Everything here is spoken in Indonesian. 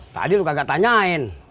tadi lo kagak tanyain